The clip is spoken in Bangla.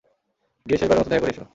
গিয়ে শেষবারের মতো দেখা করে এসো।